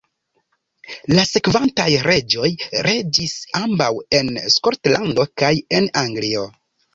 La sekvantaj reĝoj reĝis ambaŭ en Skotlando kaj en Anglio.